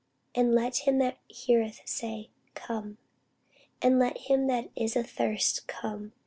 And let him that heareth say, Come. And let him that is athirst come.